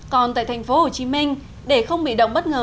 còn tại tp hcm để không bị động bất ngờ